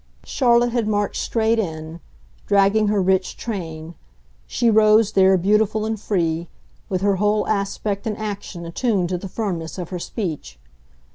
Charlotte had marched straight in, dragging her rich train; she rose there beautiful and free, with her whole aspect and action attuned to the firmness of her speech.